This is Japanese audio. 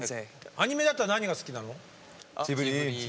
アニメだったら何が好きなの？